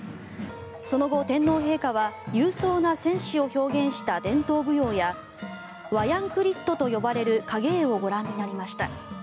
その後、天皇陛下は勇壮な戦士を表現した伝統舞踊やワヤンクリットと呼ばれる影絵をご覧になりました。